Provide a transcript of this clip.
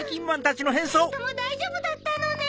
ふたりともだいじょうぶだったのね！